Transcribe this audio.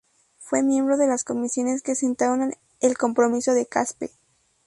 Fue miembro de las comisiones que sentaron el Compromiso de Caspe.